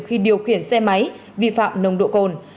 khi điều khiển xe máy vi phạm nồng độ cồn